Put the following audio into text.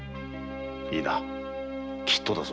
いいなきっとだぞ。